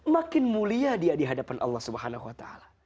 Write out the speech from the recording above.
makin mulia dia dihadapan allah swt